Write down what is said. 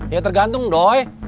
ya tergantung doi